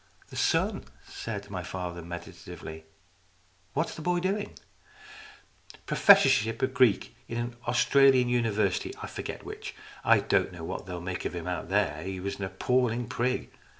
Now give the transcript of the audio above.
"The son," said my father, meditatively. " What's the boy doing ?"" Professorship of Greek in an Australian uni versity I forget which. I don't know what they'll make of him out there. He was an appalling prig."